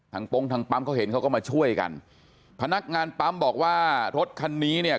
โป๊งทางปั๊มเขาเห็นเขาก็มาช่วยกันพนักงานปั๊มบอกว่ารถคันนี้เนี่ย